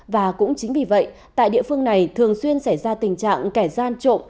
và cũng chính vì vậy tại địa phương này thường xuyên xảy ra tình trạng kẻ gian trộm